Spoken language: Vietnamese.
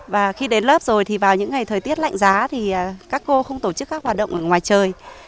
và khi đến lớp rồi thì vào những ngày thời tiết lạnh giá thì các cô không tổ chức các hoạt động ở ngoài trời